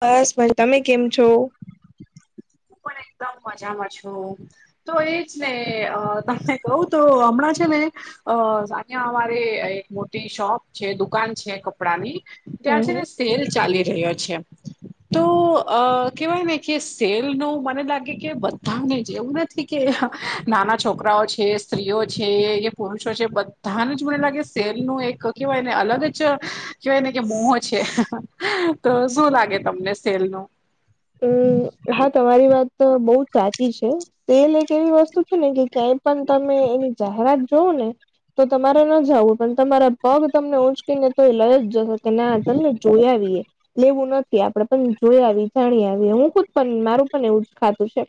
બસ મજામા, તમે કેમ છો? હું પણ એકદમ મજામાં છું. તો એ જ ને, અ તમને કહું તો હમણાં છે ને. અ અયા અમારે એક મોટી શોપ છે, દુકાન છે, કપડાની. ત્યાં હમ છે ને, સેલ ચાલી રહ્યો છે, તો અ કેહવાય ને કે, સેલ એ તો મને લાગે કે, બધાને જે એવું નથી કે, હ નાના છોકરાઓ છે. સ્ત્રીઓ છે કે, પુરુષો છે, બધાને જ મને લાગે સેલ નું એક કેહેવાય ને, અલગ જ કેવાય ને કે, મોહો છે, તો શું લાગે તમને સેલ નું? હમ, હા, તમારી વાત બહુ સાચી છે. તેલ એક એવી વસ્તુ છે ને, કે ક્યાંય પણ તમે એની જાહેરાત જોવો ને. તો તમારે ન જવું, પણ તમારા પગ તમને ઊંચકીને તો એ લઈ અજ જહે. કે ના, ચલે ને? જોઈ આવીએ. લેવું નથી આપડે, પણ જોઈ આવીયે. જાણી આવીએ, હું ખુદ પણ મારું પણ એવું જ ખાતું છે,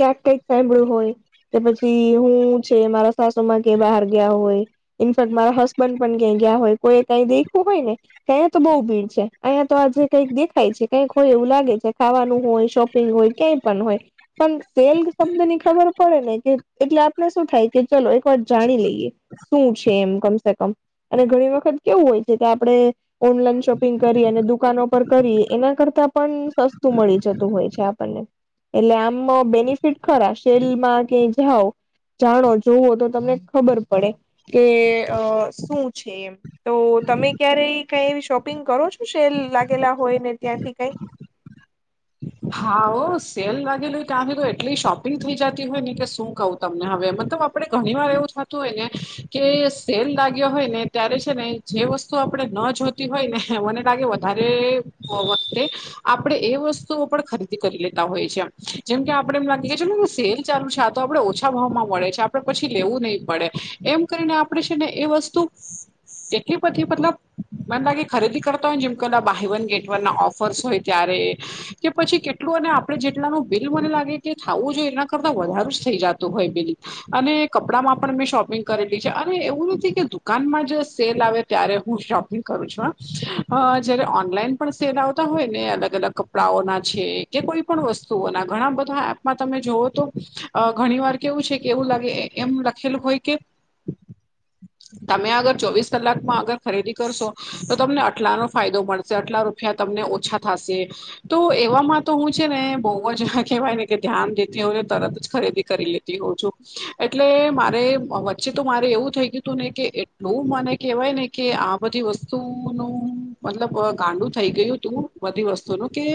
ક્યાંક કઈક સાંભળ્યું હોય. કે પછી હું છે, મારા સાસુમાં કે બહાર ગયા હોય. ઇનફેક્ટ મારા હસબન્ડ પણ ક્યાં ગયા હોય, કોઈ કઈ દેખ્યું હોય ને. કે અહીંયા તો બઉુ ભીડ છે, અહીંયા તો આજે કંઈક દેખાય છે, કઈક હોય એવું લા જે કે ખાવાનું હોય, શોપિંગ હોય, કેઈ પણ હોય. પણ સેલ શબ્દ ની ખબર પડે ને, કે એટલે આપણે શું થાય કે, ચલો, એક વાર જાણી લઈએ. શું છે, એમ કમસે કમ અને ઘણી વખત કેવું હોય છે, કે આપણે ઓનલાઈન શોપિંગ કરીયે અને દુકાનો પર કરી એના કરતા પણ સસ્તું મળી જતું હોય છે આપણને એટલે આમ બેનિફિટ ખરા સેલમાં કે જાવ જાણો જોવો તો તમને ખબર પડે કે અ શું છે એમ તો તમે ક્યારે કઈ શોપિંગ કરો છો સેલ લાગેલા હોય ને ત્યાંથી કઈ હા ઓ સેલ લાગેલું તયા તો એટલી શોપિંગ થઈ જતી હોય ને કે શું કઉ. તમને હવે મતલબ આપડે ઘણી વાર એવું થતું હોય ને કે સેલ લાગ્યો હોય ને ત્યારે છે ને જે વસ્તુ આપણે ન જોતી હોય ને મને લાગે વધારે મોંઘું આપી દે. આપડે એ વસ્તુ પણ ખરીદી કરી લેતા હોય છે એમ જેમ કે આપડે માન કે ચલો એમ લાગી સેલ ચાલુ છે આ તો આપડે ઓછા ભાવમાં મળે છે. આપડે પછી લેવું નહી પડે એમ કરીને આપણેે છે ને એ વસ્તુ એટલી બધી મતલબ મન લાગે ખરીદી કરતા હોય ને જેમ કલા બાહી વન ગેટ વન ના ઓફર્સ હોય ત્યારે કે પછી કેટલું અને આપડે જેટલાનું બિલ મને લાગે કે થાવું જોઈએ એના કરતા વધારું જ થઈ જાતું હોય બિલ અને કપડામાં પણ મેં શોપિંગ કરેલી છે અને એવું નથી કે દુકાનમાં જ સેલ આવે ત્યારે હું શોપિંગ કરું છું હા અ જયારે ઓનલાઈન પણ સેલ આવતા હોય ને અલગ અલગ કપડાઓના છે કે કોઈ પણ વસ્તુઓના ઘણા બધા એપમાં તમે જોવો તો અ ઘણી વાર કેવું છે કે એવું લાગે એમ લખેલું હોય કે. તમે અગર ચોવીસ કલાકમાં અગર ખરીદી કરશો તો તમને અટલા નો ફાયદો મળશે આટલા રૂપિયા તમને ઓછા થાસે. તો એવામાં તો હું છે ને બહુજ કેહેવાય ને કે ધ્યાન દેતી હોઉ તરત જ ખરીદી કરીલે કરતી હોઉ છું એટલે મારે વચ્ચે તો મારે એવું થઈ ગયું હતું ને કે એ નું મને કેહેવાય ને કે આ બધી વસ્તુ નું. મતલબ અ ગાંડું થઈ ગયું તું બધી વસ્તુનું કે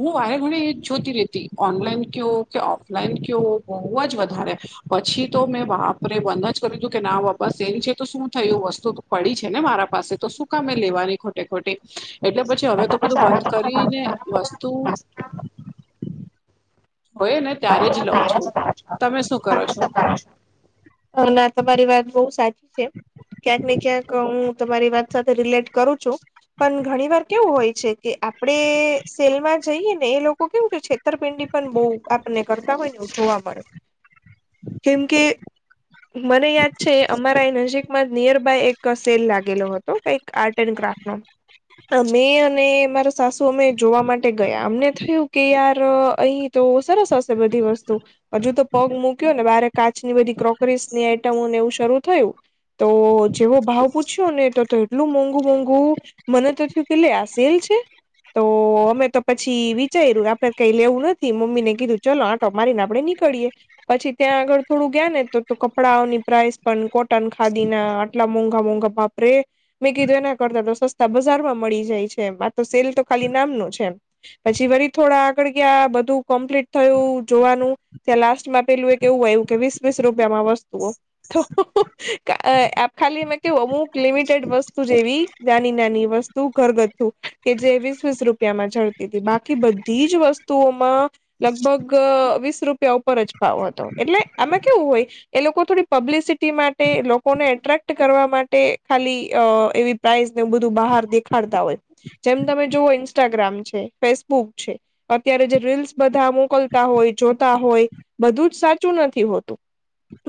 હું વારે ઘણી જોતી રેતી ઓનલાઈન કેવુ કે ઓફ લાઈન કયો બહુ જ વધારે પછી તો મેં બાપરે બંધ જ કર્યું હતું કે ના બસ એની છે તો શું થયુ વસ્તુ પડી છે ને મારા પાસે તો શું કમે લેવાની ખો ખોટે ખોટી એટલે પછી હવે તો બધું બંધ કરીને વસ્તુ હોય ને ત્યારે જ લઉં છું તમે શું કરો છો. અ ના તમારી વાત બહુ સાચી છે. ક્યાંક ને ક્યાંક હું તમારી વાત સાથે રિલેટ કરું છું પણ ઘણી વાર કેવું હોય છે. કે આપડે સેલમાં જઈએ ને એ લોકો કેવું છે છેતરપિંડી પણ બહુ આપને કરતા હોય ને એવું જોવા પડે કેમ કે. મને યાદ છે અમારા એ નજીકમાં નિયર બાય એક સેલ લાગેલો તો કઈક આર્ટ એન્ડ ક્રાફ્ટ નો અમે અને સાસુ અમે જોવા માટે ગયા અમને થયું કે યાર અહી તો સરસ હશે બધી વસ્તુ હજુ તો પગ મૂક્યો ને બારે કાચ ની બધી ક્રોકરીસ ની આઈટમોને એવું શરૂુ થયું. તો જેવો ભાવ પૂ. પૂછ ને તો તો એટલું મોંઘુ મોંઘું મને તો થયું કે લે આ સેલ છે. તો અમે તો પછી વિચાર્યું આપડે કઈ લેવું નથી મમ્મી ને કીધું ચલો આટો મારીને આપડે નીકળીએ પછી ત્યાં આગળ થોડું ગયા ને તો કપડાઓની પ્રાઇસ પણ કોટન ખાદી ના આટલા મોંઘા મોંઘા બાપરેે મેં કીધું એના કરતા તો સસ્તા તા બજારમાં મળી જાય છે એમ આ તો સેલ તો ખાલી નામનું છે એમ. પછી વરી થોડા આગળ ગયાં બધું કમ્પ્લીટ થયું જોવાનું ત્યાં લાસ્ટમાં પેલું એક એવું હોયું કે વીસ વીસ રૂપિયામાં વસ્તુઓ તો. અ ખાલી મે કેવું અમુક લિમિટેડ વસ્તુ જેવી નાની નાની વસ્તુ તુ ઘરગથ્થુ કે જે વીસ વીસ રૂપિયામાં જડતી તી બાકી બધી જ વસ્તુઓમાં લગભગ વીસ રૂપિયા ઉપર જ ભાવ હતો એટલે આમાં કેવું હોય એ લોકો થોડી પબ્લિસિટી માટે લોકોને એટ્રેક્ટ કરવા માટે ખાલી અ એવી પ્રાાઈઝને બધું બહાર દેખાડતા હોય જેમ તમે જોયને ઇન્સ્ટાગ્રામ છે ફેસબુક છે અત્યારે જે રીલ્સ બધા મોકલતા હોય જોતા હોય બધું જ સાચું નથી હોતું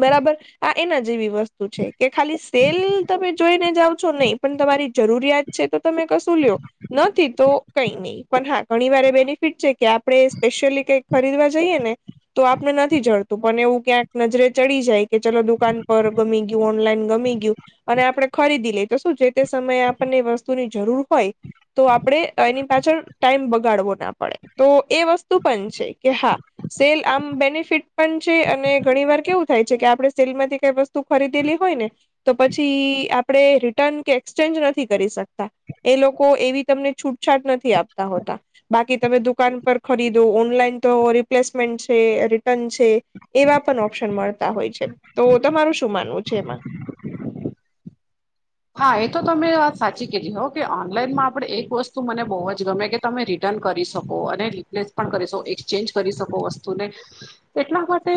બરાબર આ એના જેવી વસ્તુ છે કે ખાલી સેલ તમે જોઈને જાાવ છો નહી પણ તમારી જરૂરિયાત છે તો તમે કશું લ્યો નથી તો કઈ નહી પણ હા ઘણી વાર બેનિફિટ છે કે આપણે સ્પેશિયલી કઈક ખરીદવા જઈએ ને તો આપને નથી જડતું પણ એવું ક્યાંક નજરે ચડી જાય કે ચલો દુકાન પર ગમી ગયું ઓનલાઈન ગમી ગયું અને આપણે ખરીદી લઈ તો શું જે તે સમયે આપણને વસ્તુની જરૂર હોય તો આપડણે એની પાછળ ટાઈમ બગાડવો ના પડે તો એ વસ્તુ પણ છે કે હા સેલ આમ બેનિફિટ પણ છે અને ઘણી વાર કેવું થાય છે કે આપણે સેલ માંથી કઈ વસ્તુ ખરીદેલી હોય ને તો પછી આપડે રિટર્ન કે એક્સચેન્જ નથી કરી શકતા એ લોકો એવી તમને છૂટછાટ નથી આપતા હોતા બાકી તમે દુકાન પર ખરીદો ઓનલાઈન તો રિપ્લેસમેન્ટ છે રિટર્ન છે એવા પણ ઓપ્શન મળતા હોય છે તો તમારું શું માનવું છે એમાં હા એ તો ત મેમે વાત સાચી કરી હો કે ઓનલાઈનમાં આપણે એક વસ્તુ મને બહુ જ ગમે કે તમે રિટર્ન કરી શકો અને રિપ્લેસ પણ કરી શકો એક્સચેન્જ કરી શકો વસ્તુ ને એટલા માટે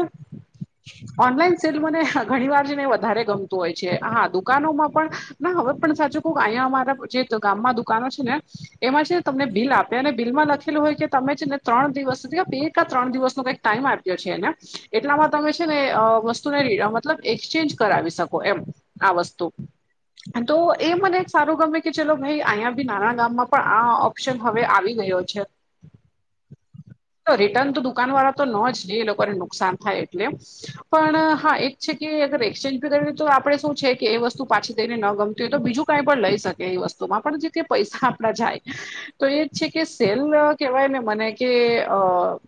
ઓનલાઈન સેલ મને ઘણી વાર છે ને વધારે ગમતું હોય છે હા દુકાનોમાં પણ ના હવે પણ સાચું કહ અહીંયા અમારા જે ગામ માં દુકાનો છે ને એમાં છે તમને બિલ આપે અને બિલમાં લખેલું હોય કે તમે છે ને ત્રણ દિવસ સુધી બે કા ત્રણ દિવસનું કઈક ટાઈમ આપ્યો છેને એટલામાં તમે છે ને વસ્તુને મતલબ એક્સચેન્જ કરાવી શકો એમ આ વસ્તુ તો એ મને એક સારું ગમે કે ચલો ભાઈ અહીંયા બી નાના ગામમાં પણ આ ઓપ્શન હવે આવી ગયો છે રિટર્ન તો દુકાન વાળા તો ન જ એ લોકોને નુકસાન થાય એટલે પણ હા એક છે કે અગર એક્સચેન્જ ભી કર તો આપડે શું છે કે એ વસ્તુ પાછી ઈને ન ગમતું હોય તો બીજું કંઈ પણ લઈ શકે એ વસ્તુમાં પણ જે પૈસા આપડા જાય તો એ જ છે કે સેલ કેહેવાય ને મને કે અ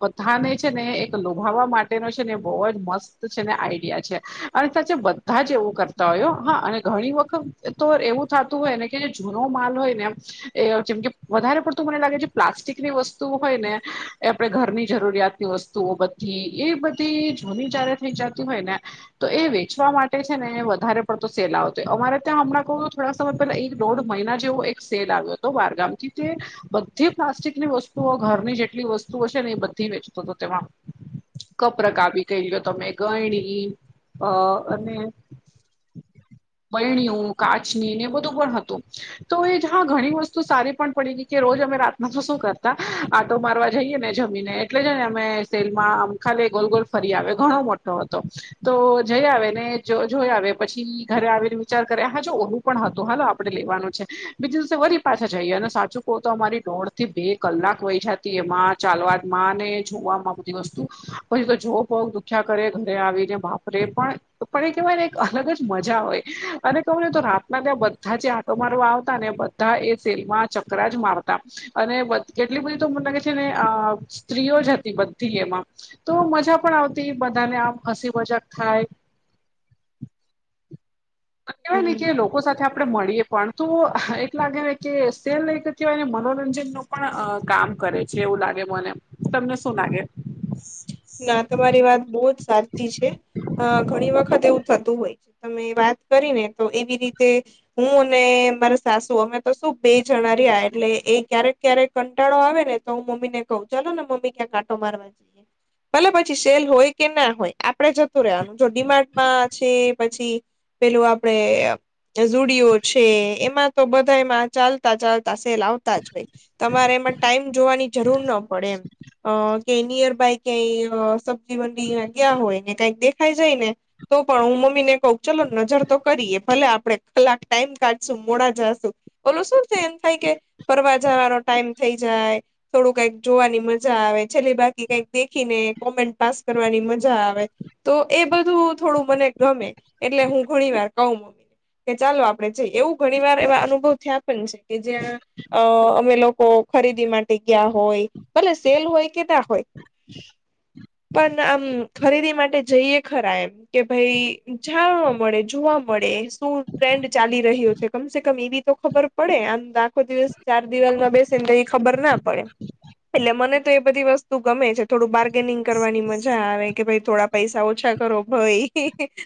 બધાને છે ને એક લોભાવા માટે ને બહ જ મસ્ત છે ને આઈડિયા છે અને સાચ બધા જ એવું કરતા હોય હા અને ઘણી વખત તો એવું થતું હોય ને કે જે જૂનો માલ હોય નેમ એ જેમ કે વધારે પડતું મને લાગે જે પ્લાસ્ટિકની વસ્તુ હોય ને એ આપણેે ઘરની જરૂરિયાત ની વસ્તુ તો બધી એ બધી જૂની જયારે થઈ જતી હોય ને તો એ વેચવા માટે છે ને એ વધારે પડતો સેલાતો હોય અમારે ત્યાં હમણાં કહ થોડા સમય પેલા એક દોઢ મહિના જેવો એક સેલ આવ્યો હતો બરગામ થી તે બધી પ્લાસ્ટિકની વસ્તુઓ ઘરની જેટલી વસ્તુઓ છે ને એ બધી વેચતો હતો તેમાં કપરક આવીી કઈો તમે ગણી અ અને કાચની એ બધું પણ હતું તો એ જ હા ઘણી વસ્તુ સારી પણ પડી ગઈ કે રોજ અમે રાતમાં તો શું કરતા આટો મારવા જઈએ ને જમીનને એટલે છે ને અમે સેલમાં આમ ખાલી ગોલ ગોલ ફરી આવ્યો ઘણો મોટો હતો તો જઈ આવે ને જોઈ આવે પછી ઘરે આવે વિાર કરે હા જો ઓલું પણ હતું હા તો આપણે લેવાનું છે બીજું દિવસે વરી પાછા જઈએ અને સાચું કોહ તો અમારી દોડ થી બે કલાક વહી જતી એમાં ચાલવામાં ને જોવામાં બધી વસ્તુ પછી તો જો બહ દુખ્યા કરે ઘરે આવી ને વાપરે પણ પણ એ કહેવાય ને એક અલગ જ મજા હોય અને કહું ને તો રાતના ત્યાં બધા જે આટો માર આવતા ને બધા એ સેલમાં ચકરા જ મારતા અને કેટલી બધી તો મને લાગે છે ને સ્ત્રીઓ જ હતી બધી એમાં તો મજા પણ આવતી બધાને આમ હસી મજાક થાય આમ કેવાય ને હમ કે લો લોકો સાથે આપણે મળીએ પણ તો એટ લાગે ને કે સેલઈ કહેવાયને મનોરંજનનો પણ કામ કરે છે એવું લાગે મને તમને શું લાગે ના તમારી વાત બહુ જ સાચી છે અ ઘણી વખત એવું થતું હોય તમે વાત કરીને તો એવી રીતે હું અને મારા સાસુ અમે તો શું બે જણા રહ્યા એટલે એ ક્યારેક ક્યારેક કંટાળો આવે ને તો હું મમ્મીને કહું ચાલોને મમ્મી ક્યાં કાટો મારવા જઈએ ભલે પછી સેલ હોય કે ના હોય આપડે જતું રહેવાનું જો ડિમાન્ડમાં છે પછી પેલું આપડે ુડિયો છે એમાં તો બધા એમાં ચાલ ચાલ તસે લાવતા જ ભાઈ તમારે એમાં ટાઈમ જોવાની જરૂર ન પડે એમ અ ક નિયર બાય ક્યાય સબ્જી વડી ગયા હોય ને કઈક દેખાઈ જાય ને તો પણ હું મમ્મી ને કહ ચલો નજર તો કરીએ ભલે આપડણે કલાક ટાઈમ કાઢશું મોડા જાશું ઓલો શું થાય એમ થાય કે ફરવા જવાનો ટાઈમ થઈ જાય થોડું કઈક જોવાની મજા આવે છેલ્લે બાકી કઈક દેખીને કોમેન્ટ પાસ કરવાની મજા આવે તો એ બધું થોડું મને ગમે એટલે હું ઘણી વાર કહું મમ્મી ને કે ચાલો આપડે જઈએ એવું ઘણી વાર એવા અનુભવ થયા કે જ્યાં અ અમે લોકો ખરીદી માટે જગ્યા હોય ભલે સેલ હોય કે નાં હોય પણ આમ ખરીદી માટે જઈએ ખરા એમ કે ભાઈ જાણવા મળે જોવા મળે શું ટ્રેન્ડ ચાલી રહ્યો છે કમસે કમ એ બી તો ખબર પડે આમ આખો દિવસ ચાર દિવાલમાં બે ખબર ના પડે એટલે મને તો એ બધી વસ્તુ ગમે છે થોડું બાર્ગેનિંગ કરવાની મજા આવે કે ભાઈ થોડા પૈસા ઓછા કરો ભાઈ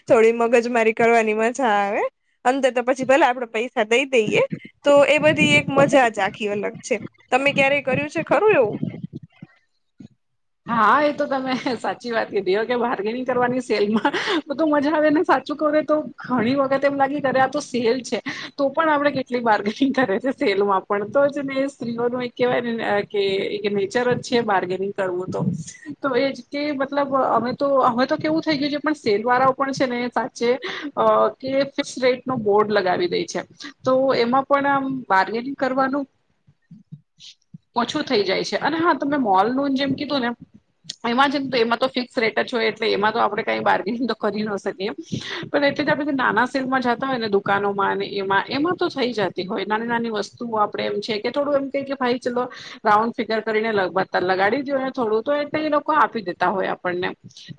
થોડી મગજ મારી કરવાની મજા આવે અે તો પછી ભલા આપડે પૈસા દઈ દઈએ તો એ બધી એક મજા જ આખી અલગ છે તમે ક્યારેય કર્યું છે ખરું એવું હા એ તો તમે સાચી વાત ક દ કે બાર્ગેનિંગ કરવાની સેલમાં બધું મજા આવે ને સાચ કરે તો ઘણી વખત એમ લાગે અ આ તો સેલ છે તો પણ આપડણે કેટલી બારગેનિંગ કરે છે સેલમાં પણ તો જ ને સ્ત્રીઓનું એક કેહેવાય ને કે નેચર જ છે બાર્ગેનિંગ કરવું તો તો એ જ કે મતલબ અમે તો અમે તો કેવું થઈ ગયું છે પણ સેલ વાળાઓ પણ છે ને જે કે ફિક્સ રેટ નો બોર્ડ લગાવી દે છે તો એમાં પણ આમ બારગેનિંગ કરવાનું ઓછું થઇ જાય છે અને હા તમે મોલ ન લોન જેમ કીધું નેમ એમાં છેને તો એમાં તો ફિક્સ રેટ જ હોય એટલે એમાં તો આપણે કઈ બાર્ગેનિંગ તો કરી ન શકીએ એમ પણ એટલે તો આપેધ નાના સેલમાં જતા હોય ને દુકાનોમાં ને એમાં એમાં તો થઈ જ હોય નાની નાની વસ્તુઓ આપડ એમ છે કે થોડું એમ કટ ભાઈ ચલો રાઉન્ડ ફિગર કરીને લગ લગાડી દુંને થોડું તો એટલે એ લોકો આપી દેતા હોય આપણને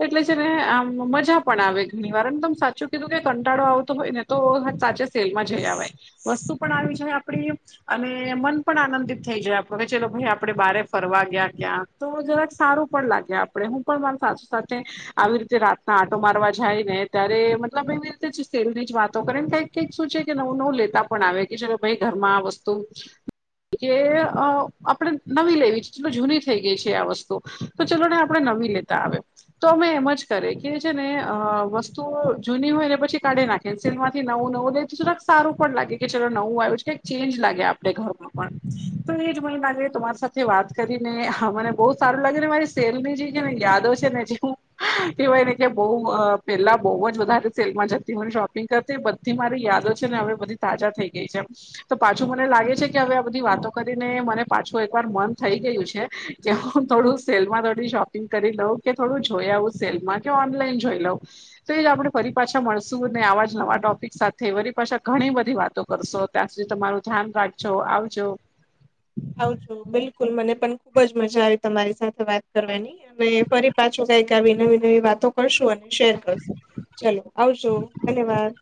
એટલે છેને આમ મજા પણ આવે ઘણી વાર અને તમ સાચું કીધું કે કંટાળો આવતો હોય ને તો સાચે સેલમાં જઈવાય વસ્તુ પણ આવી જાય આપડી અને મન પણ આનંદિત થઈ જાય આપડ કે ચલો ભાઈ આપડે બારે ફરવા ગયા ક્યાં તો જરાક સારું પણ લાગે આપડે હું પણ મા સાચું સાથે આવી રીતે રાતના આટો મારવા જાય ને ત્યારે મતલબ એવી રીતે સેલની જ વાતો કરે ને કઈક કઈક શું છે કે નવું નવું લેતા પણ આવે કે જ ભાઈ ઘરમાં આ વસ્તુ કે આપણેે નવી લેવી છે એટલ જૂની થઈ ગઈ છે આ વસ્તુ તો ચલો ને આપણે નવી લેતા આવે તો અમે એમ જ કર કે છે ને અ વસ્તુઓ જૂની હોય ને પછી કાઢે નાખી કેન્સિલમાંથી નવું નવું દે તો થોડાક સારું પણ લાગે કે ચલો નવું આવ્યું છે ક ચેન્જ લાગે આપણે ઘરમાં તો એજ મને લાગે તમારી સાથે વાત કરીનેને બહુ સારું લાગે ને મારી સેરનીજી કે ને યાદો છે નેજી હું કવાય ને કે બઉ પેલા બહુ જ વધારે સેલમાં જતી હોયને શોપિંગ કરતી થી મારી યાદો છે ને હવે બધી તાજા થઈ ગઈ છે તો પાછું મને લાગે છે કે હવે આ બધી વાતો કરીને મને પાછું એકવાર મન થઈ ગયું છે. કે હું થોડું સેલમાં થોડી શોપિંગ કરી લઉં કે થોડું જોઈ આવું સેલમાં કે ઓનલાઈન જોઈ લઉં. તો એ જ આપણે ફરી પાછા મળશું ને આવા જ નવા ટોપિક સાથે વરી પાછા ઘણી બધી વાતો કરશો. ત્યાં સુધી તમારું ધ્યાન રાખજો. આવજો. આવજો. બિલકુલ મને પણ ખુબ જ મજા આવી તમારી સાથે વાત કરવાની. અને ફરી પાછો કઈક આવી નવી નવી વાતો કરશું અને શેર કરશું. ચલો આવજો. ધન્યવાદ